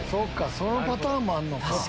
そのパターンもあるのか。